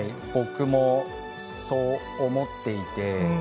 僕も、そう思っていて。